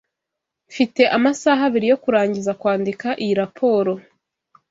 Mfite amasaha abiri yo kurangiza kwandika iyi raporo.